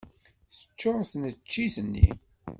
Teččuṛ tneččit-nni.